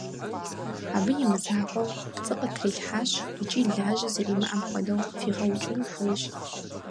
Абы и мызакъуэу - пцӀы къытрилъхьащ икӀи лажьэ зэримыӀэм хуэдэу фигъэукӀыну хуейщ!